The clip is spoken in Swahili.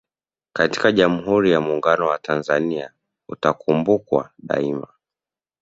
katika Jamuhuri ya Muuunguno wa Tanzania utakumbukwa daima